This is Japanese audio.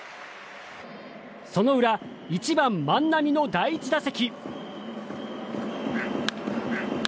その裏、１番、万波の第１打席。